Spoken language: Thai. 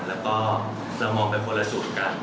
แล้วก็เรามองเป็นคนละสูตรกัน